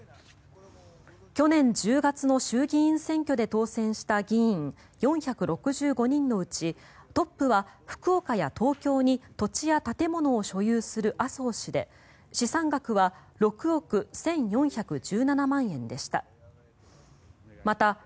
去年１０月の衆議院選挙で当選した議員４６５人のうちトップは福岡や東京に土地や建物を所有する麻生氏で資産額は６億１４１７万円でした。